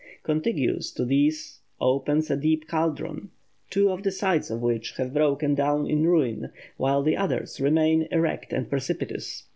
Contiguous to these opens a deep caldron, two of the sides of which have broken down in ruin, while the others remain erect and precipitous.